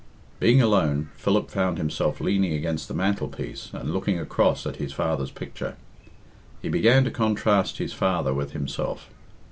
Being alone, Philip found himself leaning against the mantelpiece and looking across at his father's picture. He began to contrast his father with himself.